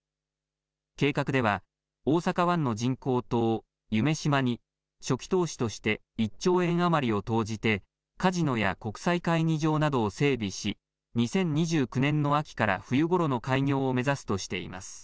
計画では大阪湾の人工島、夢洲に初期投資として１兆円余りを投じてカジノや国際会議場などを整備し２０２９年の秋から冬ごろの開業を目指すとしています。